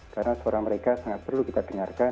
karena suara mereka sangat perlu kita dengarkan